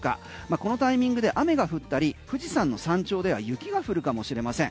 このタイミングで雨が降ったり富士山の山頂では雪が降るかもしれません。